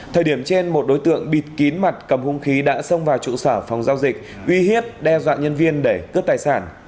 thời điểm trên một đối tượng bịt kín mặt cầm hung khí đã xông vào trụ sở phòng giao dịch uy hiếp đe dọa nhân viên để cướp tài sản